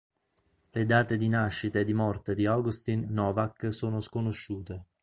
Le date di nascita e di morte di Augustin Novak sono sconosciute.